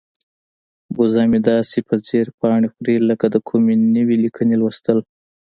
وزه مې داسې په ځیر پاڼې خوري لکه د کومې نوې لیکنې لوستل.